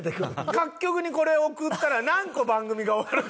各局にこれ送ったら何個番組が終わるか。